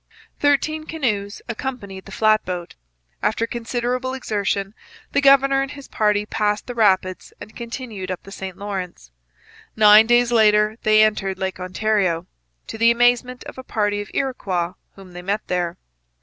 Thirteen canoes accompanied the flat boat. After considerable exertion, the governor and his party passed the rapids and continued up the St Lawrence; nine days later they entered Lake Ontario, to the amazement of a party of Iroquois whom they met there.